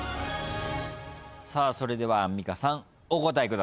それではアンミカさんお答えください。